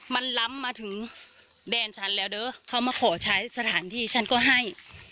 มันล้ำมาถึงแดนฉันแล้วเด้อเขามาขอใช้สถานที่ฉันก็ให้